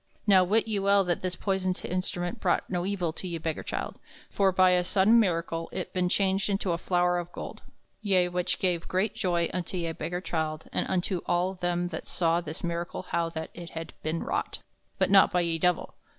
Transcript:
Now wit ye well that this poyson instrument brought no evill to ye beggar childe, for by a sodaine miracle it ben changed into a flowre of gold, ye which gave great joy unto ye beggar childe and unto all them that saw this miracle how that it had ben wrought, but not by ye Divell.